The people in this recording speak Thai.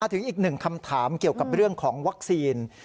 อีกหนึ่งคำถามเกี่ยวกับเรื่องของวัคซีน